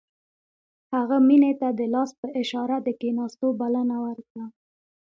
هغه مينې ته د لاس په اشاره د کښېناستو بلنه ورکړه.